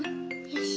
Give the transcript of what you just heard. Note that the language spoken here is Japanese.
よし！